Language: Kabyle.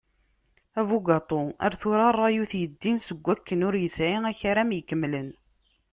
Abugaṭu ar tura ṛṛay ur t-yeddim, seg akken ur yesɛi akaram ikemlen.